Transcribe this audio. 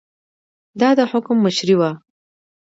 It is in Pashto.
دا د حکم مشري وه.